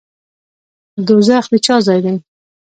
دوزخ د چا ځای دی؟